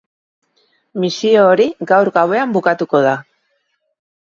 Misio hori gaur gauen bukatuko da.